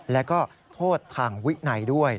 แล้วก็โทษทางวินัยด้วย